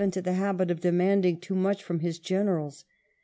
into the habit of demanding too much from his generals.